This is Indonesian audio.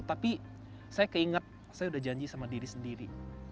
tapi saya keinget saya udah janji sama diri sendiri